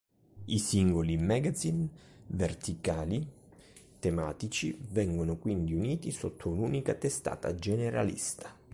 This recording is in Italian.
I singoli magazine verticali tematici vengono quindi uniti sotto un'unica testata generalista.